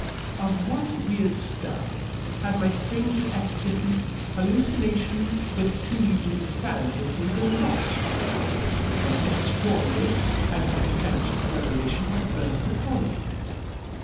Of what weird stuff had my strange ecstasy, hallucination, besieging fantasy, been wrought ? What extraordinary and portentous revelation had burst upon me